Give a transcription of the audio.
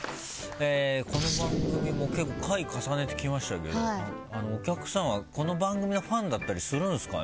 この番組も結構回重ねてきましたけどお客さんはこの番組のファンだったりするんですかね？